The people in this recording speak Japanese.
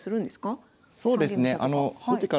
そうですね。